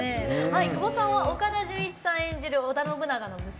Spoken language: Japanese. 久保さんは岡田准一さん演じる織田信長の娘